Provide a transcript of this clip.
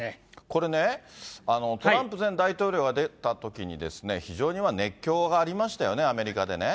これね、トランプ前大統領が出たときにですね、非常に熱狂がありましたよね、アメリカでね。